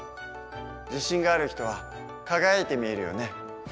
自信がある人は輝いて見えるよね。